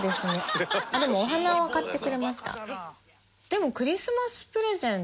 でも。